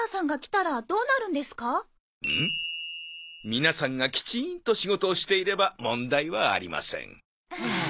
皆さんがきちんと仕事をしていれば問題はありません。